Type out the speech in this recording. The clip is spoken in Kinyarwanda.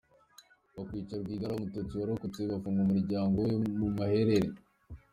Bakica Rwigara, umututsi warokotse, bagafunga umuryango we ku maherere.